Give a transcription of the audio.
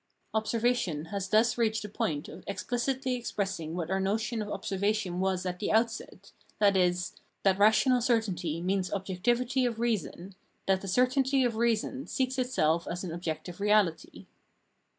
Observation has thus reached the point of explicitly Phrenology 333 expressing what our notion of observation was at the outset, viz. that rational certainty means objectivity of reason, that the certainty of reason seeks itself as an objective reahty.